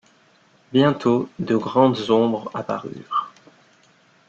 Bientôt, de grandes ombres apparurent.